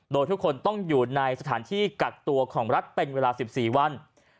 โดยทุกคนต้องอยู่ในสถานที่กักตัวของรัฐเป็นเวลา๑๔วัน